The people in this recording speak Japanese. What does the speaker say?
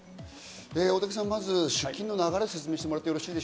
大竹さん、まず出金の流れを説明してください。